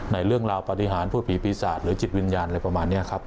ในเรื่องราวปฏิหารพูดผีปีศาจหรือจิตวิญญาณอะไรประมาณนี้ครับ